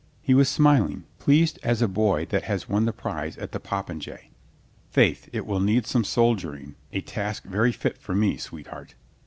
He was smiling, pleased as a boy that has won the prize at the popinjay. "Faith, it will need some soldier ing. A task very fit for me, sweetheart."